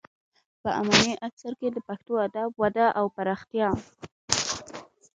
په اماني عصر کې د پښتو ادب وده او پراختیا.